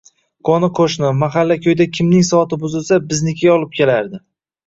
Qo‘ni-qo‘shni, mahalla-ko‘yda kimning soati buzilsa, biznikiga olib kelardi.